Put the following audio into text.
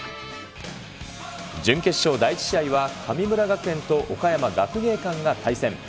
準決勝第１試合は、神村学園と岡山学芸館が対戦。